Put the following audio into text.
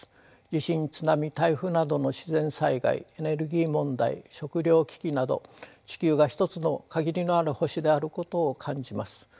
地震津波台風などの自然災害エネルギー問題食糧危機など地球が一つの限りのある星であることを感じます。